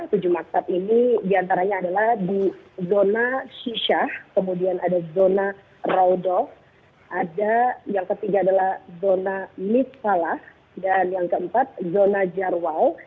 tujuh maksat ini diantaranya adalah di zona shishah kemudian ada zona raudof ada yang ketiga adalah zona misalah dan yang keempat zona jarwal